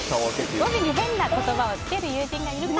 語尾にへんな言葉をつける友人がいるか。